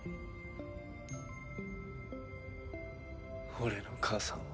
俺の母さんは。